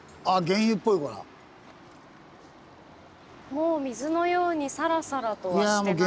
もう水のようにサラサラとはしてないですね。